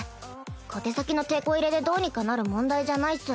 小手先のテコ入れでどうにかなる問題じゃないっス。